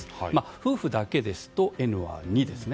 夫婦だけですとＮは２ですね。